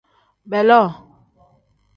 Beeloo.